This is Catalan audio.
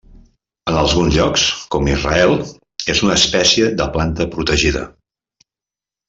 En alguns llocs, com Israel, és una espècie de planta protegida.